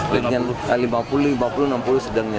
rp lima puluh rp lima puluh rp enam puluh sedangnya